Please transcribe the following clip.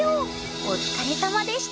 お疲れさまでした！